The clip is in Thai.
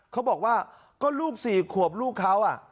เขาบอกว่าก็ลูก๔ขวบลูกเขา